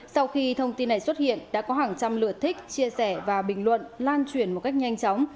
sau khi thông tin này xuất hiện đã có hàng trăm lượt thích chia sẻ và bình luận lan truyền một cách nhanh chóng